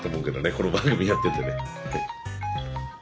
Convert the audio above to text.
この番組やっててねはい。